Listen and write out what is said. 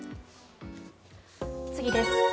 次です。